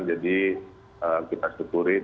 jadi kita syukuri